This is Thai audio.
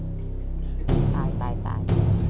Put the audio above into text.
ตายตายตาย